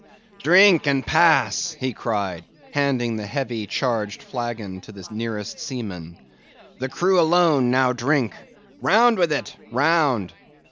"Drink and pass!" he cried, handing the heavy charged flagon to the nearest seaman. "The crew alone now drink. Round with it, round!